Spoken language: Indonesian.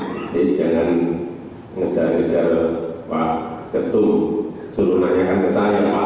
jadi jangan ngejar ngejar pak ketuk suruh nanyakan ke saya